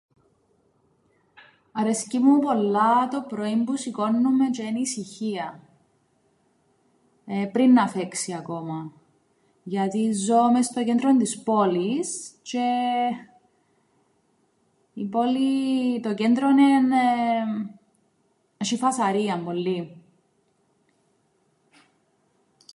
Αρέσκει μου πολλά το πρωίν που σηκώννουμαι τζ̆αι εν' ησυχία. Πριν να φέξει ακόμα, γιατί ζω μες στο κέντρον της πόλης τζ̆αι η πόλη εν' ε-, το κέντρον, έσ̆ει φασαρίαν πολλήν.